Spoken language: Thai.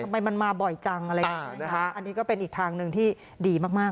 ทำไมมันมาบ่อยจังอันนี้ก็เป็นอีกทางหนึ่งที่ดีมาก